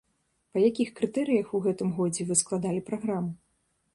Па якіх крытэрыях у гэтым годзе вы складалі праграму?